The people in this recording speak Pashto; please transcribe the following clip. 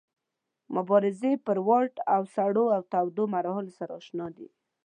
مبارزې پر واټ له سړو او تودو مرحلو سره اشنا دی.